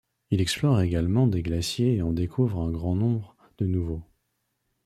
Il explore également des glaciers et en découvre un grand nombre de nouveaux.